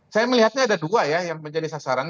saya melihatnya ada dua ya yang menjadi sasaran